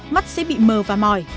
mắt sẽ bị mờ và mỏi